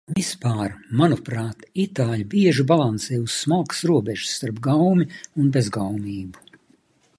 Vispār, manuprāt, itāļi bieži balansē uz smalkas robežas starp gaumi un bezgaumību.